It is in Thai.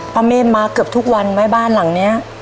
เมฆมาเกือบทุกวันไหมบ้านหลังนี้